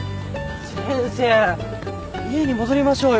先生家に戻りましょうよ。